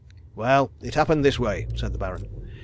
"Well, it happened this way," said the Baron.